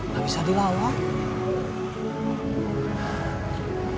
gak bisa dilalui